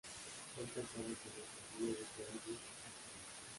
Fue lanzada como sencillo de su álbum A-Sides.